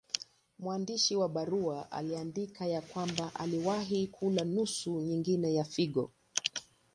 Mwandishi wa barua aliandika ya kwamba aliwahi kula nusu nyingine ya figo.